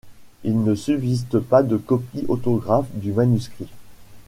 Il ne subsiste pas de copie autographe du manuscrit.